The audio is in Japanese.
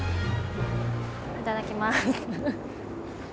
いただきます。